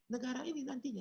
negara ini nantinya